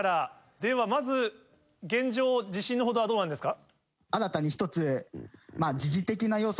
ではまず現状自信のほどはどうなんですか？